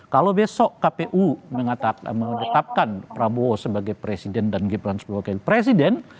kalau besok kpu menetapkan prabowo sebagai presiden dan gibran sebagai wakil presiden